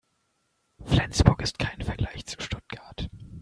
Flensburg ist kein Vergleich zu Stuttgart